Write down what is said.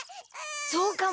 そうかも！